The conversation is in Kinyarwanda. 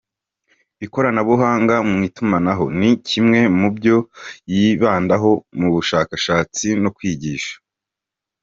Ikoranabuhanga mu itumanaho ni kimwe mu byo yibandaho mu bushakashatsi no kwigisha.